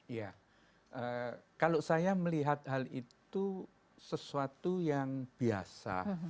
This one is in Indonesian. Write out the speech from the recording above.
iya kalau saya melihat hal itu sesuatu yang biasa